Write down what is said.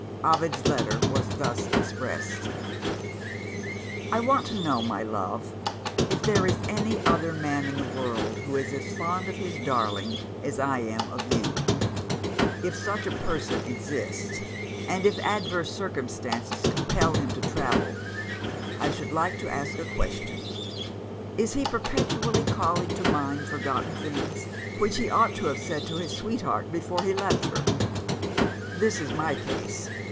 Ovid's letter was thus expressed: "I want to know, my love, if there is any other man in the world who is as fond of his darling as I am of you? If such a person exists, and if adverse circumstances compel him to travel, I should like to ask a question. Is he perpetually calling to mind forgotten things, which he ought to have said to his sweetheart before he left her? "This is my case.